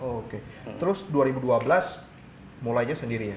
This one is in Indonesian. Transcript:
oke terus dua ribu dua belas mulainya sendirinya